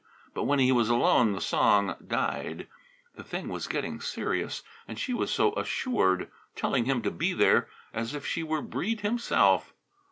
But when he was alone the song died. The thing was getting serious. And she was so assured. Telling him to be there as if she were Breede himself.